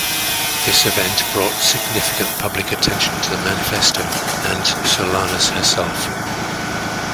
This event brought significant public attention to the "Manifesto" and Solanas herself.